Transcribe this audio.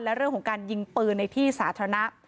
และเรื่องของการยิงปืนในที่สาธารณะ